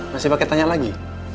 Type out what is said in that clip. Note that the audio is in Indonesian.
masih pake tanya lagi